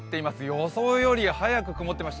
予想より早く曇っています。